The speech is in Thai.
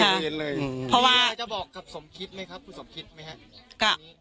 ตาเดนเลยอืมอืมนี่ก็จะบอกกับสมคิดไหมครับผู้สมคิดไหมฮะ